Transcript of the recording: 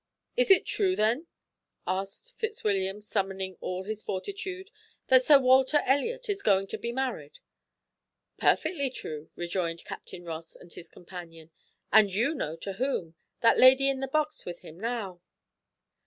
"Is it true then," asked Fitzwilliam, summoning all his fortitude, "that Sir Walter Elliot is going to be married?" "Perfectly true," rejoined Captain Ross and his companion, "and you know to whom that lady in the box with him now."